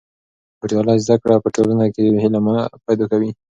بریالۍ زده کړه په ټولنه کې هیله پیدا کوي.